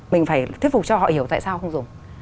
mình phải thuyết phục cho họ hiểu tại sao không dùng